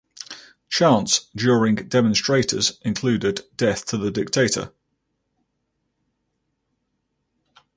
Chants during demonstrators included "death to the dictator".